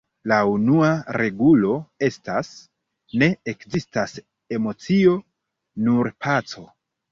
La unua regulo estas: "Ne ekzistas emocio; nur paco".